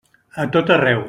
A tot arreu.